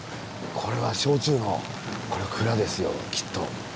これは焼酎の蔵ですよきっと。